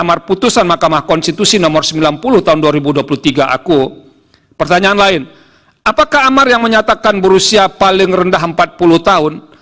pertanyaan lain apakah amar yang menyatakan berusia paling rendah empat puluh tahun